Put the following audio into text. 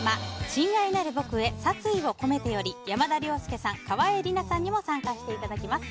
「親愛なる僕へ殺意をこめて」より山田涼介さん、川栄李奈さんにも参加していただきます。